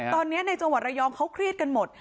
ตอนนี้ในจังหวัดระยองเขาเครียดกันหมด